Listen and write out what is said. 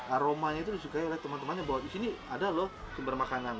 aromanya itu disukai oleh teman temannya bahwa di sini ada loh sumber makanan